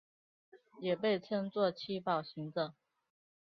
也被称作七宝行者。